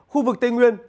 khu vực tây nguyên